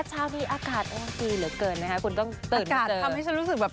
เช้ามีอากาศอร์ดดีเหลือเกินนะคะคุณต้องตื่นเติ้ลอากาศทำให้ฉันรู้สึกแบบ